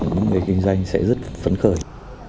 những người kinh doanh sẽ rất phấn khởi